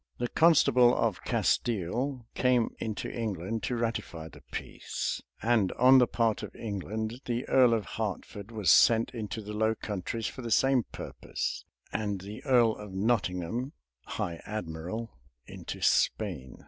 [v] The constable of Castile came into England to ratify the peace; and on the part of England, the earl of Hertford was sent into the Low Countries for the same purpose, and the earl of Nottingham, high admiral, into Spain.